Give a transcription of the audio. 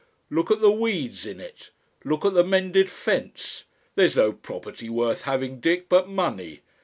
Look at the weeds in it. Look at the mended fence!... There's no property worth having, Dick, but money.